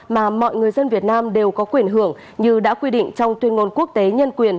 mà mọi người dân việt nam đều có quyền hưởng như đã quy định trong tuyên ngôn quốc tế nhân quyền